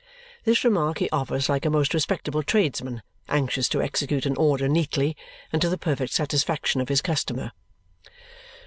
This remark he offers like a most respectable tradesman anxious to execute an order neatly and to the perfect satisfaction of his customer.